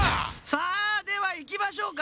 さあではいきましょうか。